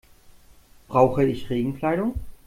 Brauche ich Regenkleidung?